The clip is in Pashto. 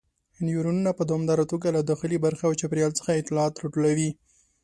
نیورونونه په دوامداره توګه له داخلي برخې او چاپیریال څخه اطلاعات راټولوي.